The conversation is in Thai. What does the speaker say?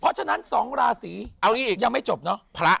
เพราะฉะนั้น๒ราศียังไม่จบเนอะ